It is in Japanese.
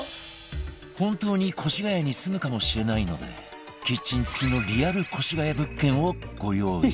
本当に越谷に住むかもしれないのでキッチン付きのリアル越谷物件をご用意